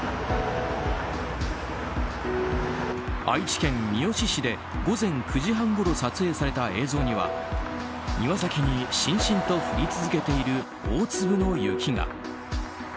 愛知県みよし市で午前９時半ごろ撮影された映像には庭先にしんしんと降り続けている大粒の雪が。